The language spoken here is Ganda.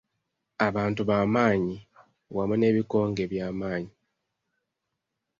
Abantu bamaanyi wamu n'ebikonge by'amaanyi.